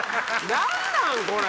何なん⁉これ！